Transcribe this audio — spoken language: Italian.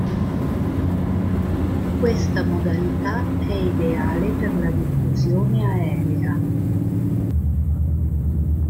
Questa modalità è ideale per la diffusione aerea.